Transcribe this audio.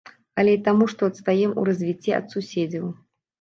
Але і таму, што адстаём у развіцці ад суседзяў.